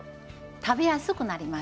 食べやすくなります。